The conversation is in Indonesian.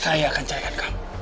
saya akan carikan kamu